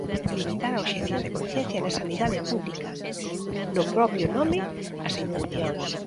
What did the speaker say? Limitar a obxección de conciencia na sanidade pública No propio nome, as intencións.